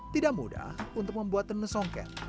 tidak mudah untuk membuat tenun songket